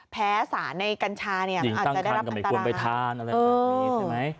แพ้สารในกัญชาเนี่ยอาจจะได้รับอันตราหรือตั้งคันกับไม่ควรไปทานอะไรแบบนี้ใช่ไหม